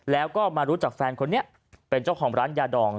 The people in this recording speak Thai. แล้วก็มารู้จักแฟนคนนี้เป็นเจ้าของร้านยาดอง